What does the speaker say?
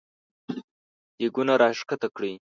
دېګونه راکښته کړی !